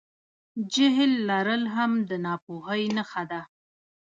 جهل لرل هم د ناپوهۍ نښه ده.